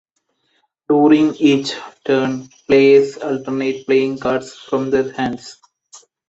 During each turn, players alternate playing cards from their hands.